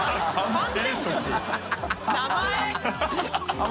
名前！